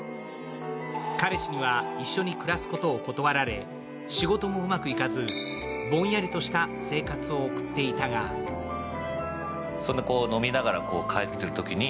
彼氏には一緒に暮らすことを断られ、仕事もうまくいかずほんやりとした生活を送っていたがそんな飲みながら帰ってくるときに